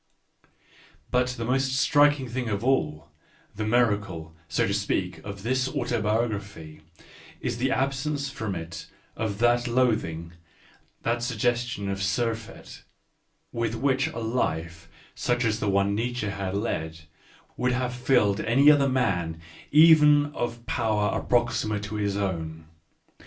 But the most striking thing of all, the miracle, so to speak, of this autobiography, is the absence from it of that loathing, that suggestion of surfeit, with which a life such as the one Nietzsche had led, would have filled any other man even of power approximate to his own.